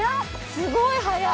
すごい速い！